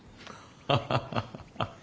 ハハハハハ。